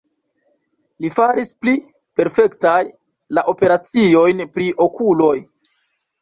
Li faris pli perfektaj la operaciojn pri okuloj.